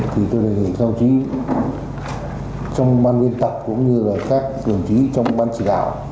thì tôi đề nghị các đồng chí trong ban biên tập cũng như là các đồng chí trong ban chỉ đạo